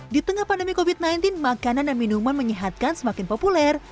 di tengah pandemi covid sembilan belas makanan dan minuman menyehatkan semakin populer